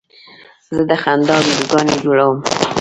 زه د خندا ویډیوګانې جوړوم.